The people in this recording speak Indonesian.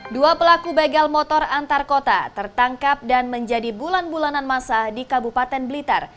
dua pelaku begal motor antar kota tertangkap dan menjadi bulan bulanan masa di kabupaten blitar